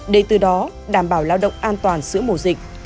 để từ đó đảm bảo lao động an toàn giữa mùa dịch